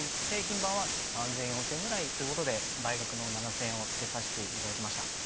製品版は３，０００円４，０００円くらいということで倍額の７，０００円をつけさせていただきました。